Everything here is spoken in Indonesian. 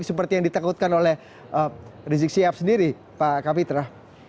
seperti yang ditakutkan oleh rizik sihab sendiri pak kapitra